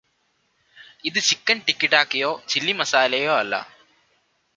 ഇത് ചിക്കൻ ടികിടാക്കയോചില്ലി മസാലയോയല്ലാ